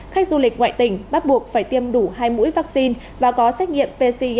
khách du lịch ngoại tỉnh bắt buộc phải tiêm đủ hai mũi vaccine và có xét nghiệm pc